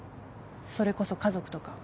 それこそ家族とか。